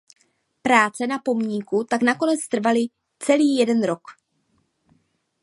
Práce na pomníku tak nakonec trvaly celý jeden rok.